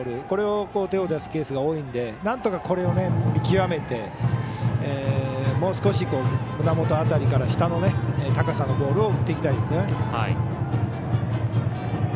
これを手を出すケースが多いのでなんとかこれを見極めてもう少し胸元辺りから下の高さのボールを打っていきたいですね。